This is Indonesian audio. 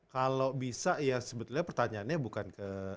kalau bisa ya sebetulnya pertanyaannya bukan ke